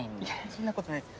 そんなことないです